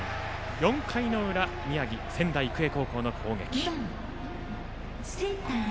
４回の裏宮城・仙台育英高校の攻撃。